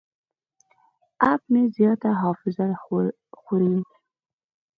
اپ مې زیاته حافظه خوري.